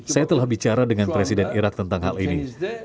saya telah bicara dengan presiden irak tentang hal ini